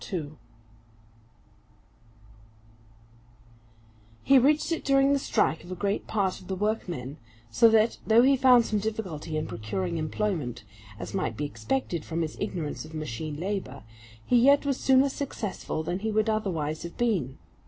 He reached it during the strike of a great part of the workmen; so that, though he found some difficulty in procuring employment, as might be expected from his ignorance of machine labour, he yet was sooner successful than he would otherwise have been.